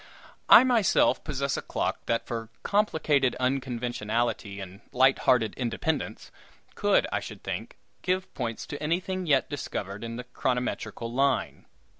I myself possess a clock that for complicated unconventionality and light hearted independence, could, I should think, give points to anything yet discovered in the chronometrical line.